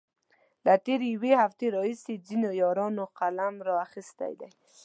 له تېرې يوې هفتې راهيسې ځينو يارانو قلم را اخستی دی.